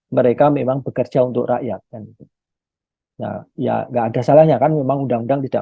mereka memang bekerja untuk rakyat kan nah ya enggak ada salahnya kan memang undang undang tidak